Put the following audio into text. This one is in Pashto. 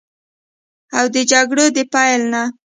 او د جګړو د پیل نه